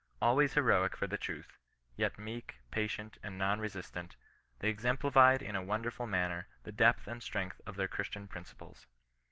Always heroic for the truth, yet meek, patient, and non resistant, they exem plified in a wonderful manner the depth and strength of their Christian principles.